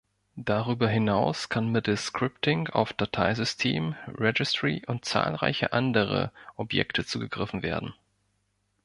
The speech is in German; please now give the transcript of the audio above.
Darüber hinaus kann mittels Scripting auf Dateisystem, Registry und zahlreiche andere Objekte zugegriffen werden.